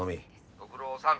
ご苦労さん。